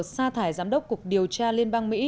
sa thải giám đốc cục điều tra liên bang mỹ